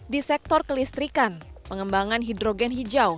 di sektor kelistrikan pengembangan hidrogen hijau